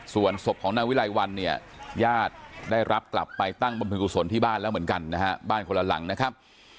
ส่วนศพของนายวิไลวันเนี่ยญาติได้รับกลับไปตั้งบำเพ็กกุศลที่บ้านแล้วเหมือนกันนะฮะบ้านคนละหลังนะครับ